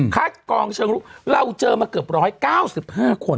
กองเชิงลุกเราเจอมาเกือบ๑๙๕คน